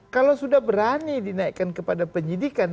kalau sudah berani dinaikkan kepada penyidikan